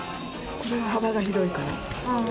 これは幅が広いから。